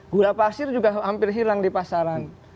gula pasir juga hampir hilang di pasaran